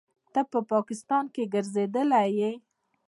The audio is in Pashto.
ته په پاکستان کښې ګرځېدلى يې.